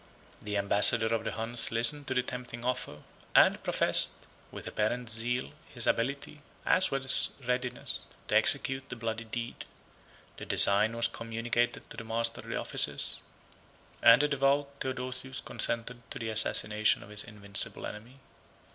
The ambassador of the Huns listened to the tempting offer; and professed, with apparent zeal, his ability, as well as readiness, to execute the bloody deed; the design was communicated to the master of the offices, and the devout Theodosius consented to the assassination of his invincible enemy.